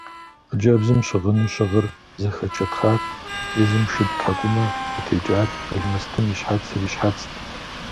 Хъыджэбзым щыгъыну щыгъыр зэхэчэтхъат, езым шыд тхьэкӀумэ къытекӀат, алмэстым и щхьэцыр и щхьэцт.